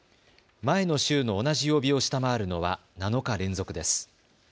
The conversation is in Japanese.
前の週の同じ曜日を下回るのは７日連続です。